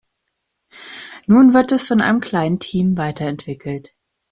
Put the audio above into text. Nun wird es von einem kleinen Team weiterentwickelt.